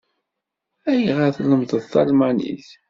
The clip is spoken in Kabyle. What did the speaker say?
Ayɣer ay tlemdeḍ talmanit?